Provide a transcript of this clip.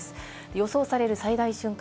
予想される最大瞬間